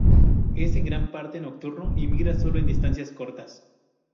Es en gran parte nocturno, y migra sólo en distancias cortas.